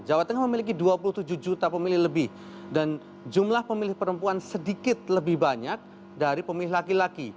jawa tengah memiliki dua puluh tujuh juta pemilih lebih dan jumlah pemilih perempuan sedikit lebih banyak dari pemilih laki laki